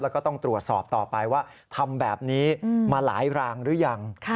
แล้วก็ต้องตรวจสอบต่อไปว่าทำแบบนี้มาหลายรางหรือยัง